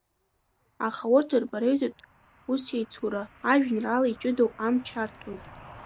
Аха урҭ рпоезиатә усеицура ажәеинраала иҷыдоу амч арҭоит.